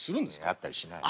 会ったりしない。